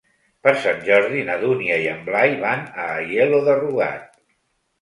Per Sant Jordi na Dúnia i en Blai van a Aielo de Rugat.